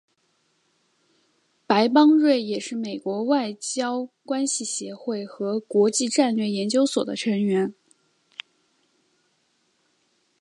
白邦瑞也是美国外交关系协会和国际战略研究所的成员。